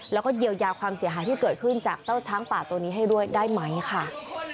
แล้วก็เยียวยาความเสียหายที่เกิดขึ้นจากเจ้าช้างป่าตัวนี้ให้ด้วยได้ไหมค่ะ